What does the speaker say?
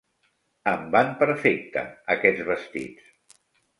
Em van perfecte, aquests vestits.